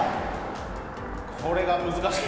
これが難しい。